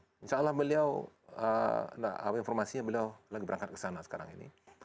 insya allah beliau informasinya beliau lagi berangkat ke sana sekarang ini